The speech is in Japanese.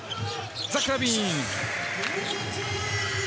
ザック・ラビーン。